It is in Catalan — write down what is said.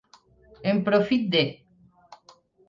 En profit de.